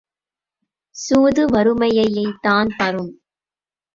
சூது வறுமையைத்தான் தரும்.